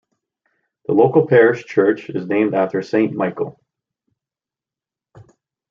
The local parish church is named after Saint Michael.